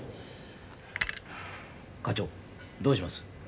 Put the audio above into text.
課長どうします？